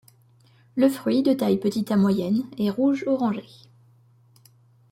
Le fruit de taille petite à moyenne est rouge orangé.